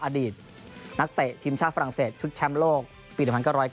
อดีตนักเตะทีมชาติฝรั่งเศสชุดแชมป์โลกปี๑๙๙